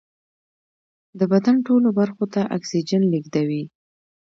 د بدن ټولو برخو ته اکسیجن لېږدوي